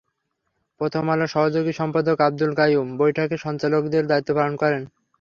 প্রথম আলোর সহযোগী সম্পাদক আব্দুল কাইয়ুম বৈঠকে সঞ্চালকের দায়িত্ব পালন করেন।